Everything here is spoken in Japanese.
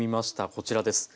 こちらです。